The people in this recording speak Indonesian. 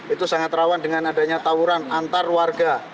itu sangat rawan dengan adanya tawuran antar warga